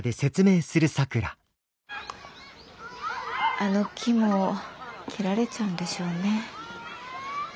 あの木も切られちゃうんでしょうね。